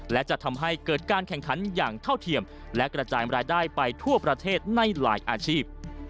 และจะทำให้เกิดการแข่งขันอย่างเท่าเทียมและกระจายรายได้ไปทั่วประเทศในหลายอาชีพ